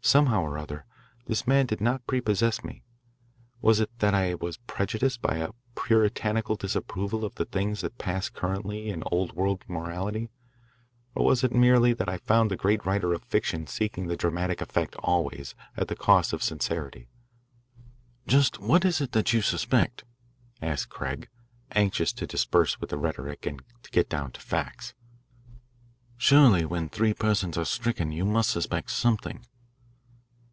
Somehow or other, this man did not prepossess me. Was it that I was prejudiced by a puritanical disapproval of the things that pass current in Old World morality? Or was it merely that I found the great writer of fiction seeking the dramatic effect always at the cost of sincerity? "Just what is it that you suspect?" asked Craig, anxious to dispense with the rhetoric and to get down to facts. " Surely, when three persons are stricken, you must suspect something."